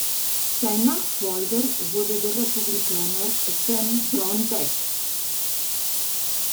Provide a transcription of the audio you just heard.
Sein Nachfolger wurde der Republikaner Sam Brownback.